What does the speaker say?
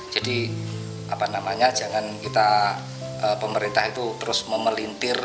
jadi apa namanya jangan kita pemerintah itu terus memelintir